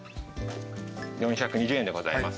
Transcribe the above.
４２０円でございます。